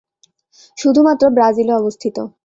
শুধুমাত্র ব্রাজিলে অবস্থিত।